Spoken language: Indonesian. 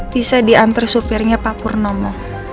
bisa diantar supirnya pak purnomo